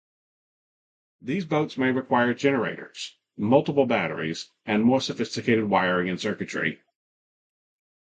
These boats may require generators, multiple batteries, and more sophisticated wiring and circuitry.